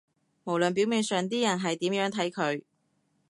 無論表面上啲人係點樣睇佢